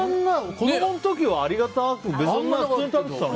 子供の時はありがたく感じなくて普通に食べてたのに。